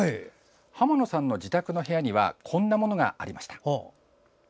濱野さんの自宅の部屋にはこんなものがありました。